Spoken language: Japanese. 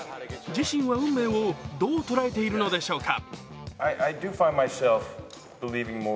自身は運命をどう捉えているのでしょうか。